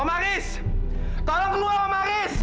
omaris tolong keluar omaris